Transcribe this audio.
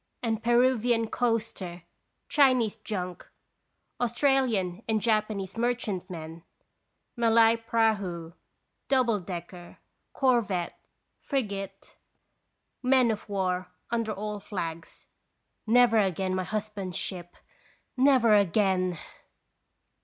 143 and Peruvian coaster, Chinese junk, Austra lian and Japanese merchantmen, Malay prahu, double decker, corvette, frigate, men of war under all flags. Never again my husband's ship, never again